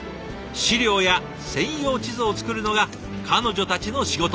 資料や専用地図を作るのが彼女たちの仕事。